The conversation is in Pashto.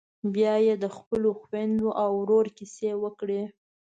بيا یې د خپلو خويندو او ورور کيسې وکړې.